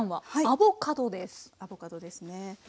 アボカドですね。